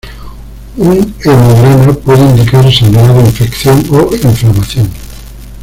Un hemograma puede indicar sangrado, infección, o inflamación.